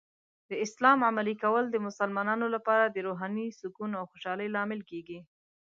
د اسلام عملي کول د مسلمانانو لپاره د روحاني سکون او خوشحالۍ لامل کیږي.